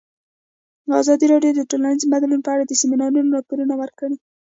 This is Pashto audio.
ازادي راډیو د ټولنیز بدلون په اړه د سیمینارونو راپورونه ورکړي.